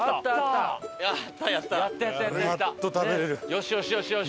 よしよしよしよし！